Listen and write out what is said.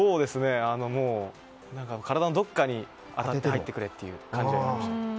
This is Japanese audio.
もう、体のどこかに当たって入ってくれという感じでした。